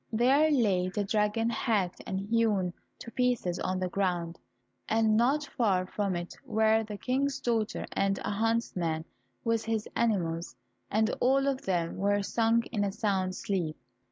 There lay the dragon hacked and hewn to pieces on the ground, and not far from it were the King's daughter and a huntsman with his animals, and all of them were sunk in a sound sleep.